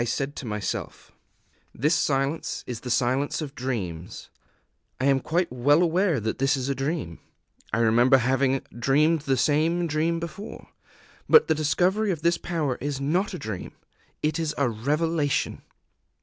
I said to myself: "This silence is the Silence of Dreams; I am quite well aware that this is a dream. I remember having dreamed the same dream before. But the discovery of this power is not a dream: _it is a revelation!